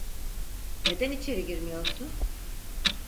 Neden içeri girmiyorsun?